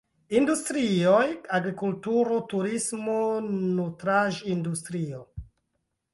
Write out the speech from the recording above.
Industrioj: agrikulturo, turismo, nutraĵ-industrio.